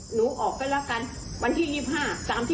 หนูออกไปแล้วกันวันที่ยี่สิบห้าตามที่